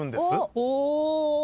お！